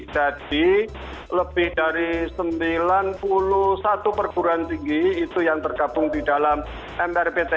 jadi lebih dari sembilan puluh satu perguruan tinggi itu yang tergabung di dalam mrmptn